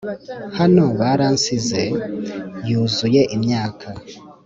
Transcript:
hano baransize, yuzuye imyaka, -